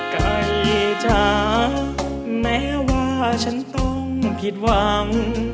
ไก่จ๋าแม้ว่าฉันต้องผิดหวัง